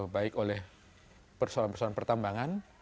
baik oleh persoalan persoalan pertambangan